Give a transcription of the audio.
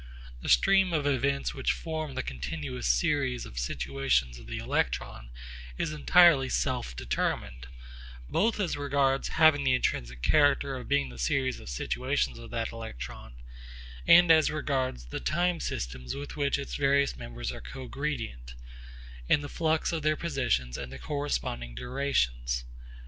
The stream of events which form the continuous series of situations of the electron is entirely self determined, both as regards having the intrinsic character of being the series of situations of that electron and as regards the time systems with which its various members are cogredient, and the flux of their positions in their corresponding durations.